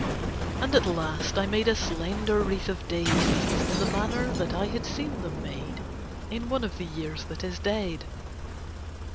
And at last I made a slender wreath of daisies in the manner that I had seen them made in one of the years that is dead.